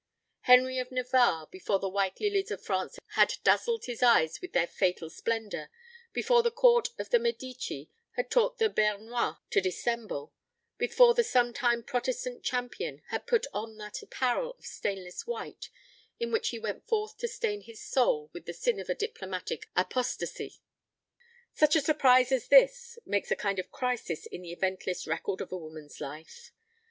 Henry of Navarre, before the white lilies of France had dazzled his eyes with their fatal splendour, before the court of the Medici had taught the Bearnois to dissemble, before the sometime Protestant champion had put on that apparel of stainless white in which he went forth to stain his soul with the sin of a diplomatic apostasy. Such a surprise as this makes a kind of crisis in the eventless record of a woman's life.